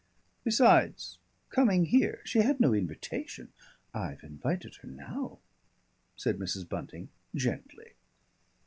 "Besides coming here! She had no invitation " "I've invited her now," said Mrs. Bunting gently.